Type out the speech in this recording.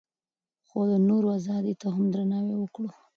خو د نورو ازادۍ ته هم درناوی وکړو.